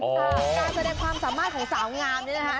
การแสดงความสามารถของสาวงามนี่นะคะ